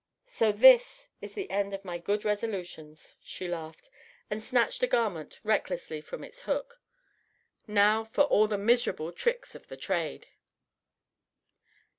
"So this is the end of my good resolutions," she laughed, and snatched a garment recklessly from its hook. "Now for all the miserable tricks of the trade!"